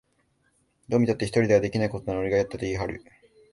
どう見たって一人ではできないことなのに、俺がやったと言いはる